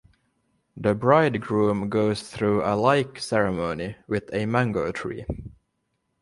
The bridegroom goes through a like ceremony with a mango-tree.